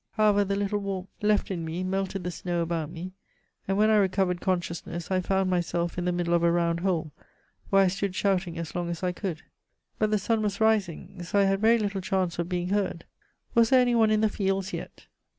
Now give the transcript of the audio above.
However, the little warmth left in me melted the snow about me; and when I recovered consciousness, I found myself in the middle of a round hole, where I stood shouting as long as I could. But the sun was rising, so I had very little chance of being heard. Was there any one in the fields yet?